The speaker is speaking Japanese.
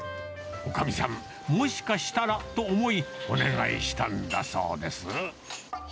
おかみさん、もしかしたらと思い、お願いしたんだそうです。